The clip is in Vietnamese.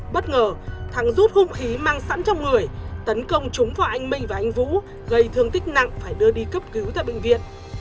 bất ngờ thắng rút hung khí mang sẵn trong người tấn công chúng vào anh minh và anh vũ gây thương tích nặng phải đưa đi cấp cứu tại bệnh viện